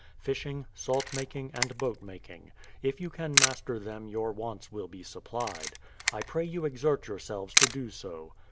fishing, salt making, and boat making: if you can master them your wants will be supplied. I pray you exert your selves to do so.